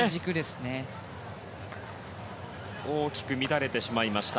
大きく乱れてしまいました。